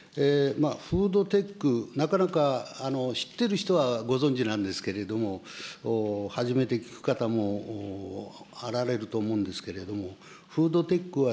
フードテック、なかなか知ってる人はご存じなんですけれども、初めて聞く方もあられると思うんですけれども、フードテックは、